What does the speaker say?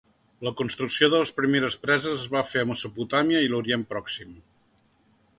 La construcció de les primeres preses es va fer a Mesopotàmia i l'Orient Pròxim.